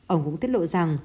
ông cũng tiết lộ rằng